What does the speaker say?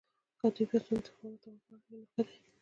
که د دوی بحثونه د تفاهم او تعاون په اړه وي، نو ښه دي